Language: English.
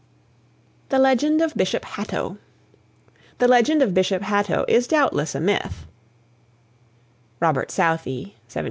THE LEGEND OF BISHOP HATTO. "The Legend of Bishop Hatto" is doubtless a myth (Robert Southey, 1774 1843).